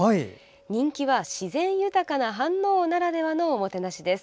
人気は自然豊かな飯能ならではのおもてなしです。